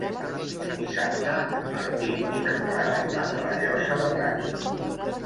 Dissabte en Martí i na Clara van a la Llosa de Ranes.